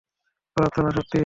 পদার্থ না শক্তি?